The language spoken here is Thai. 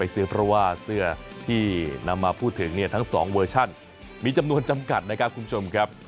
เสื้อที่นำมาพูดถึงเนี่ยทั้งสองเวอร์ชันมีจำนวนจำกัดนะคะคุณผู้ชมครับ